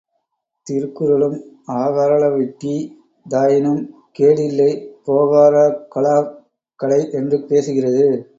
திருக்குறளும், ஆகா றளவிட்டி தாயினும் கேடில்லை போகா றகலாக் கடை என்று பேசுகிறது!